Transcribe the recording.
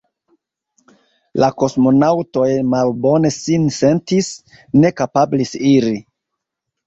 La kosmonaŭtoj malbone sin sentis, ne kapablis iri.